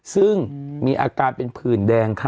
ซึ่งมีอาการเป็นผื่นแดงค่ะ